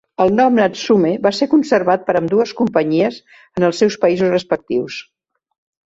El nom "Natsume" va ser conservat per ambdues companyies en els seus països respectius.